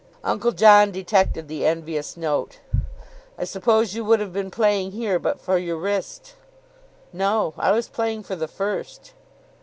Uncle John detected the envious note. "I suppose you would have been playing here but for your wrist?" "No, I was playing for the first."